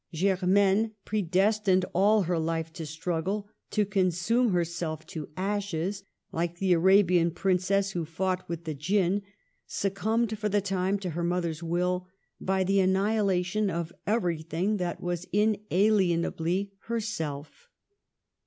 Germaine, predestined all her life to struggle, to consume herself to ashes — like the Arabian princess who fought with the djinn— succumbed for the time to her mother's will, by the annihila tion of everything that was inalienably herself.